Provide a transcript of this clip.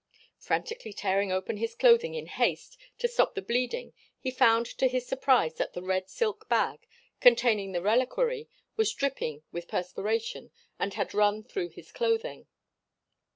Frantically tearing open his clothing in haste to stop the bleeding he found to his surprise that the red silk bag, containing the reliquary was dripping with perspiration and had run through his clothing.